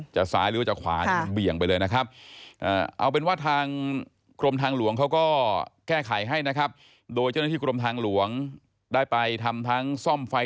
จากซ้ายหรือจากขวาเนี่ยมันเบี่ยงไปเลยนะครับ